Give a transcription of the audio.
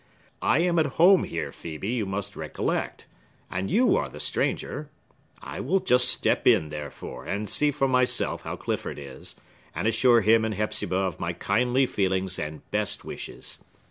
"I am at home here, Phœbe, you must recollect, and you are the stranger. I will just step in, therefore, and see for myself how Clifford is, and assure him and Hepzibah of my kindly feelings and best wishes.